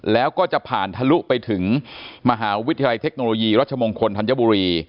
แล้วก็จะผ่านทะลุไปถึงมหาวิทยาลัยเทคโนโลยีรัชมงคลธัญบุรี